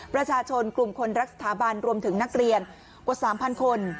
ประชาชนกลุ่มคนรักสถาบันรวมถึงนักเรียนกว่า๓๐๐คน